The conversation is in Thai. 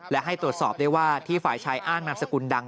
และให้ตรวจสอบได้ว่าที่ฝ่ายชายอ้างนามสกุลดัง